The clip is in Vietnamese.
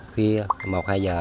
khi một hai giờ